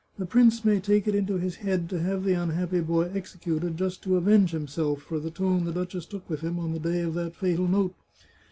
" The prince may take it into his head to have the unhappy boy executed, just to avenge himself for the tone the duchess took with him on the day of that fatal note.